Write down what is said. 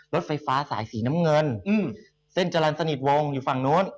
รถไฟฟ้าสายสีน้ำเงินเส้นจรรย์สนิทวงอยู่ฝั่งนู้น